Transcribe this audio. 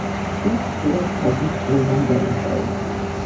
ის ხშირად ჩადის წვრილმან დანაშაულს.